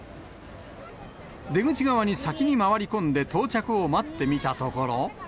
出口側に先に回り込んで到着を待ってみたところ。